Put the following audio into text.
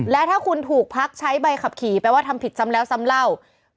และถ้าคุณถูกพักใช้ใบขับขี่แปลว่าทำผิดซ้ำแล้วซ้ำเล่า